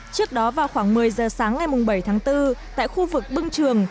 trước đó vào khoảng một mươi giờ sáng ngày bảy tháng bốn tại khu vực bưng trường